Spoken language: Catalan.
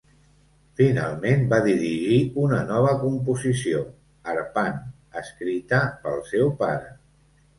Finalment, va dirigir una nova composició, "Arpan", escrita pel seu pare.